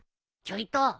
ちょいと！